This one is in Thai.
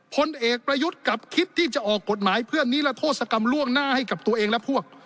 พลเอกประยุทธ์กลับคิดที่จะออกกฎหมายเพื่อนนิรโทษกรรมล่วงหน้าให้กับตัวเองและพวก